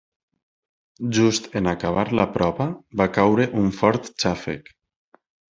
Just en acabar la prova, va caure un fort xàfec.